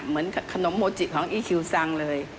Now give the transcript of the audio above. เหมือนขนมโมจิของอีคิวซังเลย